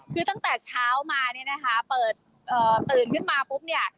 คือตั้งแต่เช้ามาเนี่ยนะคะเปิดตื่นขึ้นมาปุ๊บเนี่ย